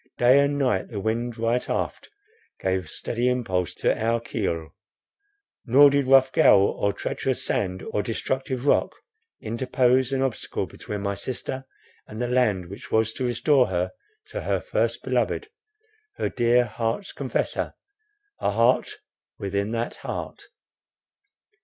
Day and night the wind right aft, gave steady impulse to our keel—nor did rough gale, or treacherous sand, or destructive rock interpose an obstacle between my sister and the land which was to restore her to her first beloved, Her dear heart's confessor—a heart within that heart.